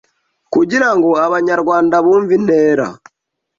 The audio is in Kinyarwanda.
Kugira ngo Abanyarwanda bumve intera